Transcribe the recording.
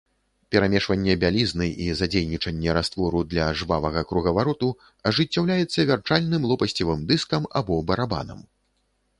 Перамешванне бялізны і задзейнічанне раствору для жвавага кругавароту ажыццяўляецца вярчальным лопасцевым дыскам або барабанам.